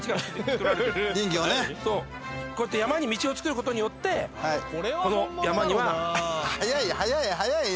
こうやって山に道をつくることによってこの山には。